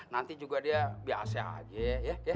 nanti juga dia biasa aja ya